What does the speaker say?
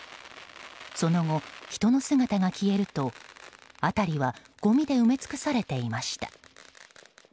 その後、人の姿が消えると辺りはごみで埋め尽くされていました。